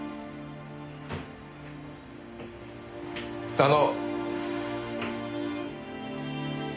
あの。